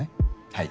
はい。